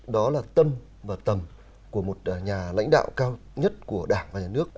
đó là tâm và tầm của một nhà lãnh đạo cao nhất của đảng và nhà nước